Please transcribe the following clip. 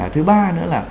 thứ ba nữa là